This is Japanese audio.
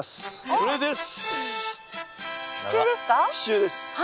これでね。